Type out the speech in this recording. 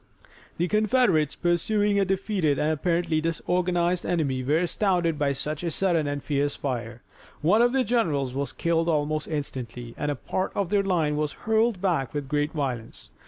The Confederates pursuing a defeated and apparently disorganized enemy were astounded by such a sudden and fierce fire. One of their generals was killed almost instantly, and a part of their line was hurled back with great violence.